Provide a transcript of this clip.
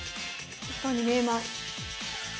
１本に見えます。